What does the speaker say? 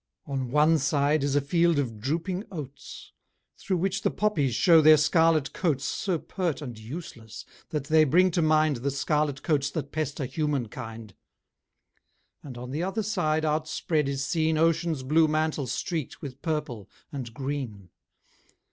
On one side is a field of drooping oats, Through which the poppies show their scarlet coats So pert and useless, that they bring to mind The scarlet coats that pester human kind. And on the other side, outspread, is seen Ocean's blue mantle streak'd with purple, and green.